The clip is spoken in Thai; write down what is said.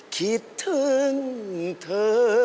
คิดถึงเธอ